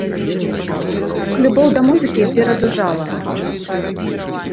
Аднак любоў да музыкі перадужала.